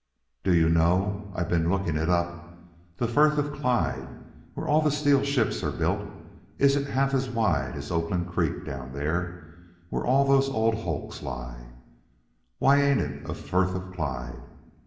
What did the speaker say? "Do you know I've been looking it up the Firth Of Clyde, where all the steel ships are built, isn't half as wide as Oakland Creek down there, where all those old hulks lie? Why ain't it a Firth of Clyde?